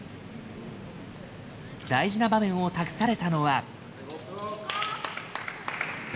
大事な場面を託されたのは。